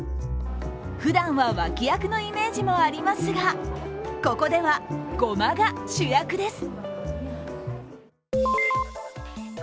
ふだんは脇役のイメージもありますがここではごまが主役です。